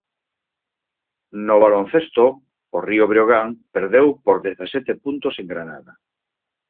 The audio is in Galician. No baloncesto, o Río Breogán perdeu por dezasete puntos en Granada.